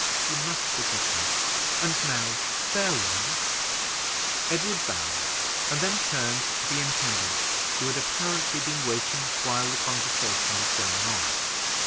You must forgive me; and now, farewell!" Edward bowed, and then turned to the intendant, who had apparently been waiting while the conversation was going on.